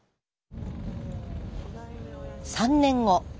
３年後。